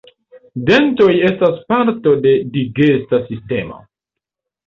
Dentoj estas parto de digesta sistemo.